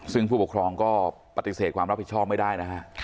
ซึ่งผู้ปกครองก็ปฏิเสธความรับผิดชอบไม่ได้นะฮะ